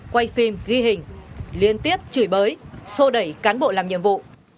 quay phim ghi hình liên tiếp chửi bới sô đẩy cán bộ làm nhiệm vụ